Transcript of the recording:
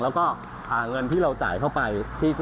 แล้วก็เงินที่เราจ่ายเข้าไป